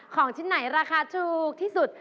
ของชิ้นไหนราคาถูกที่สุด